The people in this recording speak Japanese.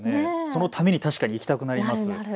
そのために確かに行きたくなります。